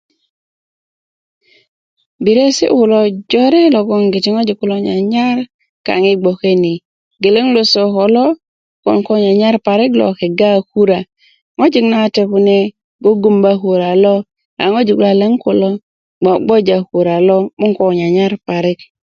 biryesi kulo logongiti ŋojik kulo nyanyar kaŋ ibgoke ni geleŋ lose ko lo logon ko nyanyar parik lo lo a kura ŋojik na wate kune gugumba kura lo a ŋojik luwaliyan kulo bgobgija kura lo 'bo ko nyanyar parik